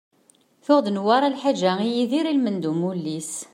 Tuɣ-d Newwara lḥaǧa i Yidir ilmend n umulli-s.